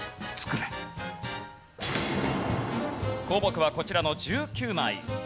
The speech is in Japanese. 項目はこちらの１９枚。